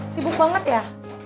sibuk banget ya